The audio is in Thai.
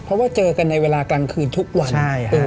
เพราะว่าเจอกันในเวลากลางคืนทุกวัน